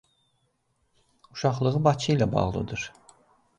Uşaqlığı Bakı ilə bağlıdır.